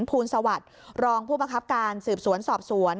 พูรสวรรภ์รองผู้ประคับการสืบสวนสอบสวน